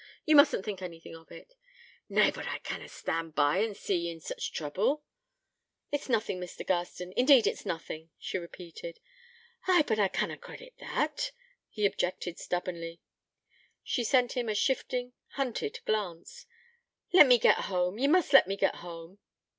you mustn't think anything of it.' 'Nay, but I canna stand by an see ye in sich trouble.' 'It's nothing, Mr. Garstin, indeed it's nothing,' she repeated. 'Ay, but I canna credit that,' he objected stubbornly. She sent him a shifting, hunted glance. 'Let me get home... you must let me get home.'